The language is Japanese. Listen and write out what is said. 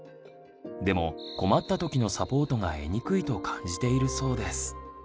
でも困った時のサポートが得にくいと感じているそうです。